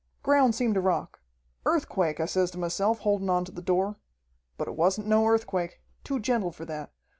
"Ground seemed to rock. Earthquake, I says to myself, holdin' on to the door. But it wasn't no earthquake. Too gentle for that.